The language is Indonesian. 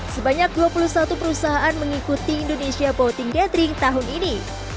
sebanyak dua puluh satu perusahaan mengikuti indonesia voting gathering tahun ini